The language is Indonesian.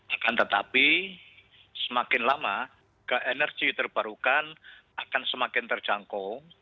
akan tetapi semakin lama keenergi terbarukan akan semakin terjangkau